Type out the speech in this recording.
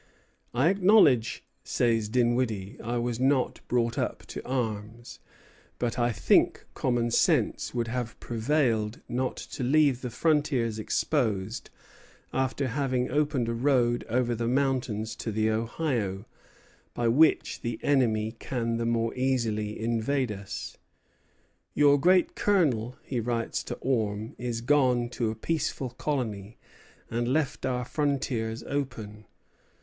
"I acknowledge," says Dinwiddie, "I was not brought up to arms; but I think common sense would have prevailed not to leave the frontiers exposed after having opened a road over the mountains to the Ohio, by which the enemy can the more easily invade us.... Your great colonel," he writes to Orme, "is gone to a peaceful colony, and left our frontiers open....